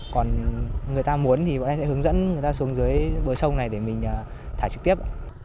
còn người ta muốn thì bọn em sẽ hướng dẫn người ta xuống dưới bờ sông này để mình thả trực tiếp